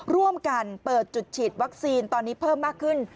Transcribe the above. ร่วมกันเปิดจุดฉีดวัคซีนตอนนี้เพิ่มมากขึ้น